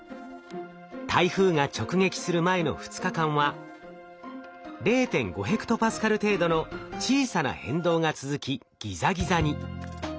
台風が直撃する前の２日間は０．５ヘクトパスカル程度の小さな変動が続きギザギザに。